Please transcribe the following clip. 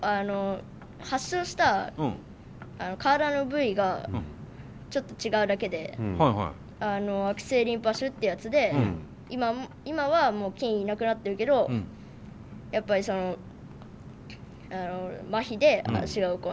発症した体の部位がちょっと違うだけで悪性リンパ腫ってやつで今は菌いなくなってるけどやっぱりまひで足が動かなくなっちゃって。